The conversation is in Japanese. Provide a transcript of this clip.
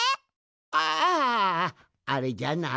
ああれじゃな。